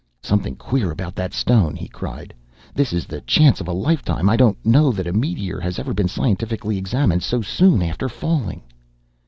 "Something queer about that stone!" he cried. "This is the chance of a lifetime! I don't know that a meteor has ever been scientifically examined so soon after falling."